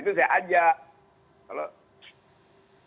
itu saya ajak